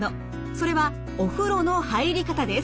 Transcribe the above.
それはお風呂の入り方です。